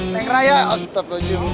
neng raya astagfirullahaladzim